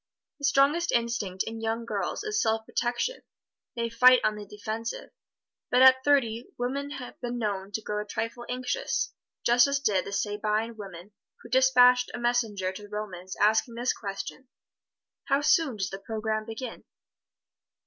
The strongest instinct in young girls is self protection they fight on the defensive. But at thirty, women have been known to grow a trifle anxious, just as did the Sabine women who dispatched a messenger to the Romans asking this question, "How soon does the program begin?"